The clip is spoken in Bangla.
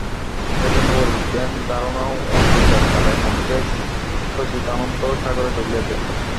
সেজন্য বলি, ধ্যান-ধারণা ও বিচারকালে মনকে সচ্চিদানন্দ-সাগরে ডুবিয়ে দে।